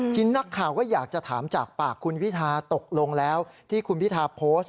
ทีนี้นักข่าวก็อยากจะถามจากปากคุณพิทาตกลงแล้วที่คุณพิธาโพสต์